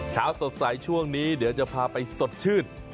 เช้าสดใสช่วงนี้เดี๋ยวจะพาไปสดชื่น